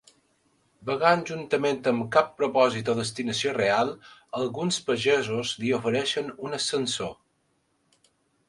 Vagant juntament amb cap propòsit o destinació real, alguns pagesos li ofereixen un ascensor.